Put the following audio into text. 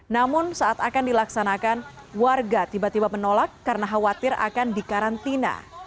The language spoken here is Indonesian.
namun saat akan dilaksanakan warga tiba tiba menolak karena khawatir akan dikarantina